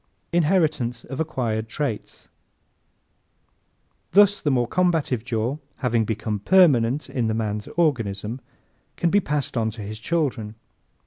Inheritance of Acquired Traits ¶ Thus the more combative jaw, having become permanent in the man's organism, can be passed on to his children.